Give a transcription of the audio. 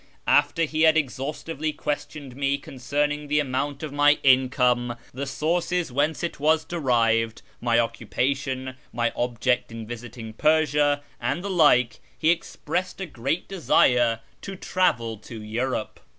After he had exhaustively questioned me concerning the amount of my income, the sources whence it was derived, my occupation, my object in visiting Persia, and the like, he expressed a great desire to travel in Europe.